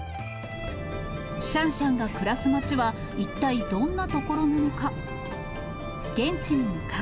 シャンシャンが暮らす街は、一体どんな所なのか。